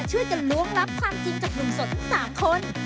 ช่วยกันล้วงลับความจริงจากหนุ่มโสดทั้ง๓คน